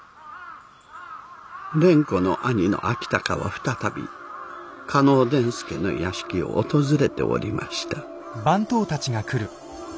蓮子の兄の晶貴は再び嘉納伝助の屋敷を訪れておりました。